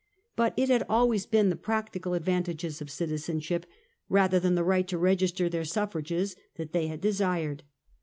But it had always been the practical advantages of citizenship rather than the right to register their suffrages that they had desired.